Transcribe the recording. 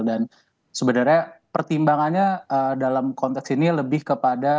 sebenarnya pertimbangannya dalam konteks ini lebih kepada